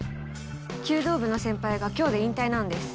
弓道部の先輩が今日で引退なんです。